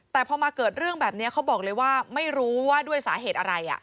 แต่พอมาเกิดเรื่องแบบนี้เขาบอกเลยว่าไม่รู้ว่าด้วยสาเหตุอะไร